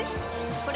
これ！